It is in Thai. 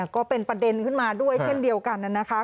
ก็เป็นประเด็นขึ้นมาด้วยเช่นเดียวกันนะคะ